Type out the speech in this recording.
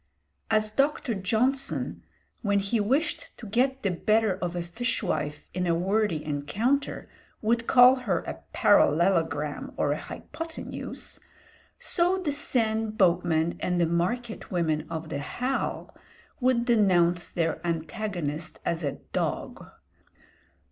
As Dr. Johnson, when he wished to get the better of a fishwife in a wordy encounter, would call her a parallelogram or a hypothenuse, so the Seine boatmen and the market women of the Halles would denounce their antagonist as a "dogue."